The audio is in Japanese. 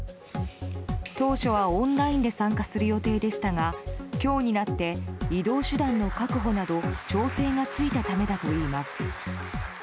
当初はオンラインで参加する予定でしたが今日になって移動手段の確保など調整がついたためだといいます。